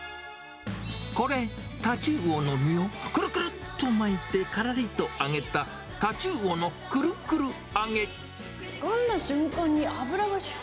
これ、タチウオの身をくるくるっと巻いてからりと揚げた、タチウオのくかんだ瞬間に、脂がしゅ